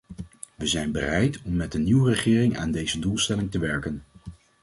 We zijn bereid om met een nieuwe regering aan deze doelstelling te werken.